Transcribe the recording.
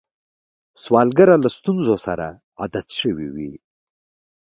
سوالګر له ستونزو سره عادت شوی وي